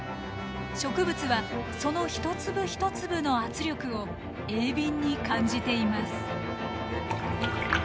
植物はその一粒一粒の圧力を鋭敏に感じています。